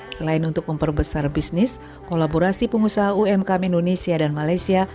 selain untuk memperbesar bisnis kolaborasi pengusaha umkm indonesia dan malaysia